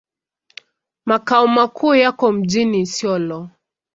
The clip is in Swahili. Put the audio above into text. Makao makuu yako mjini Isiolo.